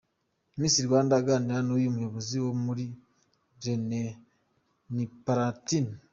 Miss Rwanda aganira n'uyu muyobozi wo muri Renaniparatina.